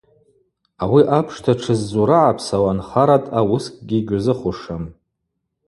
Ауи апшта тшыззурыгӏапсауа нхарадъа уыскӏгьи гьузыхушым.